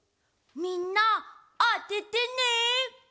みんなあててね！